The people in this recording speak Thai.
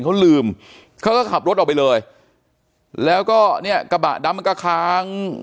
เขาลืมเขาก็ขับรถออกไปเลยแล้วก็เนี่ยกระบะดำมันก็คาง